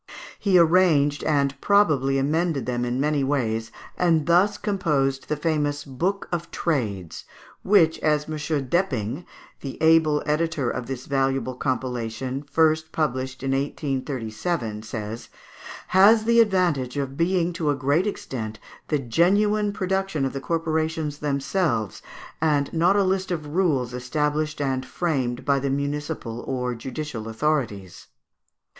He arranged and probably amended them in many ways, and thus composed the famous "Book of Trades," which, as M. Depping, the able editor of this valuable compilation, first published in 1837, says, "has the advantage of being to a great extent the genuine production of the corporations themselves, and not a list of rules established and framed by the municipal or judicial authorities."